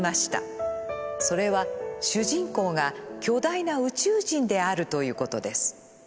それは主人公が「巨大な宇宙人」であるということです。